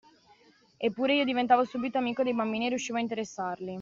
Eppure io diventavo subito amico dei bambini e riuscivo a interessarli.